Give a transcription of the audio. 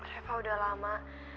reva udah lama